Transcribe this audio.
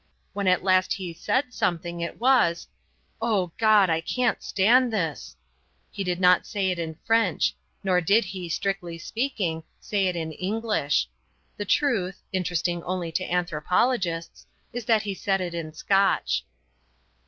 When at last he said something it was: "O God! I can't stand this!" He did not say it in French. Nor did he, strictly speaking, say it in English. The truth (interesting only to anthropologists) is that he said it in Scotch.